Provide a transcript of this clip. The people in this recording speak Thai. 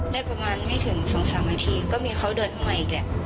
ได้ประมาณไม่ถึงสองสามนาทีก็มีเขาเดินทางใหม่อีกแหละ